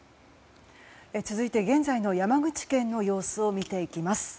続いて現在の山口県の様子を見ていきます。